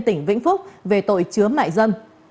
tỉnh vĩnh phúc về tội chứa mại dân